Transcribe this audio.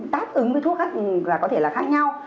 tác ứng với thuốc khác và có thể là khác nhau